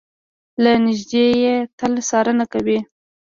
له نږدې يې تل څارنه کوي.